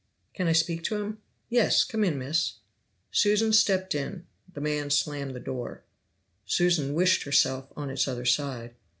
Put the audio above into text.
"Can I speak to him?" "Yes. Come in, miss." Susan stepped in. The man slammed the door. Susan wished herself on its other side.